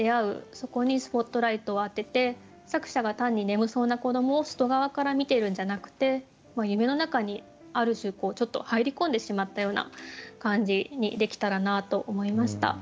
そこにスポットライトを当てて作者が単に眠そうな子どもを外側から見てるんじゃなくて夢のなかにある種ちょっと入り込んでしまったような感じにできたらなと思いました。